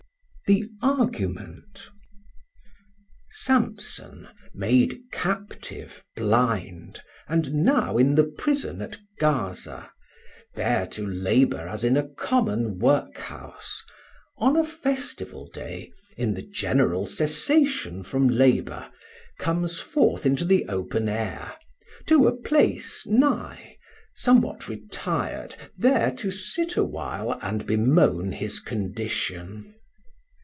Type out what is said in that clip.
The Argument. Samson made Captive, Blind, and now in the Prison at Gaza, there to labour as in a common work house, on a Festival day, in the general cessation from labour, comes forth into the open Air, to a place nigh, somewhat retir'd there to sit a while and bemoan his condition.